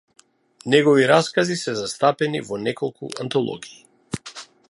Негови раскази се застапени во неколку антологии.